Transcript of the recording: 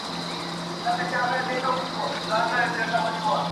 مور له زامنو څخه پټیږي،